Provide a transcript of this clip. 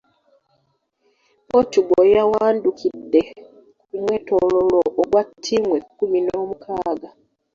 Portugal yawandukidde ku mwetooloolo ogwa ttiimu ekkumi n’omukaaga.